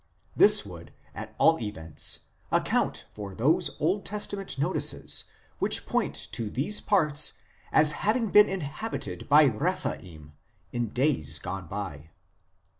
This would, at all events, account for those Old Testament notices which point to these parts as having been inhabited by Rephaim in days gone by.